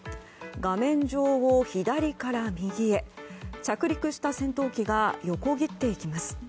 画面上を左から右へ着陸した戦闘機が横切っていきます。